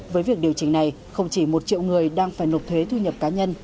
với việc điều chỉnh này không chỉ một triệu người đang phải nộp thuế thu nhập cá nhân